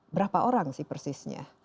berapa orang sih persisnya